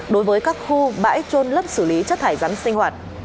đối với các khu bãi trôn lấp xử lý chất thải rắn sinh hoạt